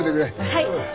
はい！